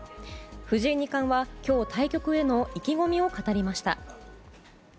藤井二冠は、今日対局への意気込みを語りました。